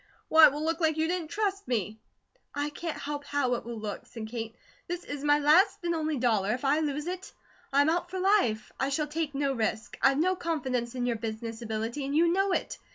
Why, it will look like you didn't TRUST me!" "I can't help how it will look," said Kate. "This is my last and only dollar; if I lose it, I am out for life; I shall take no risk. I've no confidence in your business ability, and you know it.